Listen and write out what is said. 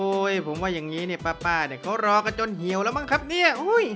ผมว่าอย่างนี้เนี่ยป้าเนี่ยเขารอกันจนเหี่ยวแล้วมั้งครับเนี่ย